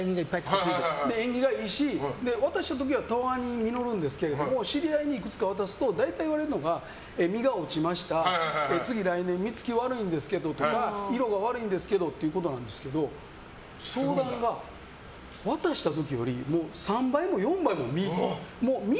縁起がいいし渡した時はたわわに実るんですけど知り合いにいくつか渡すと大体言われるのが実が落ちました次、来年実付き悪いんですけどとか色が悪いんですけどってことなんですけど相談が渡した時より３倍も４倍も、実。